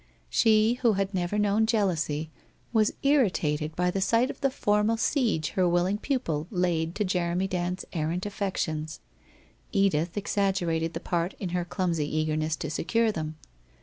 She, who had never known jealousy, was irritated by the sight of the formal siege her willing pupil laid to Jeremy Dand's errant affections. Edith exaggerated the part in her clumsy eagerness to secure them.